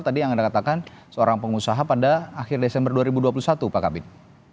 tadi yang anda katakan seorang pengusaha pada akhir desember dua ribu dua puluh satu pak kabin